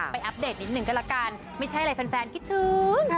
อัปเดตนิดนึงก็ละกันไม่ใช่อะไรแฟนคิดถึง